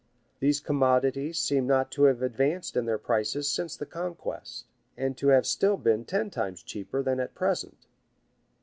[*] These commodities seem not to have advanced in their prices since the conquest,[] and to have still been ten times cheaper than at present.